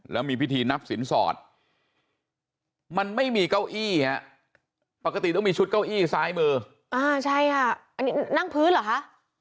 แล้วมีพิธีนับสินสอดมันไม่มีเก้าอี้ฮะปกติต้องมีชุดเก้าอี้ซ้ายมืออ่าใช่ค่ะอันนี้นั่งพื้นเหรอคะ